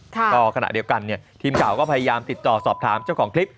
ก็ขณะเดียวกันเนี่ยทีมข่าวก็พยายามติดต่อสอบถามเจ้าของคลิป